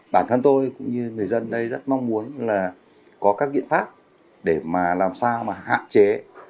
bản thân tôi cũng như người dân đây rất mong muốn là có các biện pháp để mà làm sao mà hạn chế